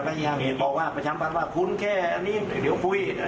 พยายามบอกว่าประชาบันดาลคุณแค่นี้เดี๋ยวคุย